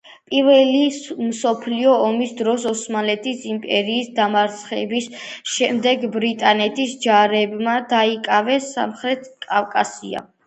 პირველი მსოფლიო ომის დროს ოსმალეთის იმპერიის დამარცხების შემდგომ, ბრიტანეთის ჯარებმა დაიკავეს სამხრეთ კავკასია.